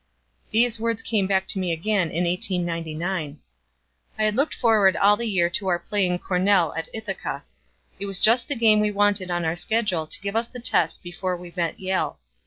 These words came back to me again in 1899. I had looked forward all the year to our playing Cornell at Ithaca. It was just the game we wanted on our schedule to give us the test before we met Yale.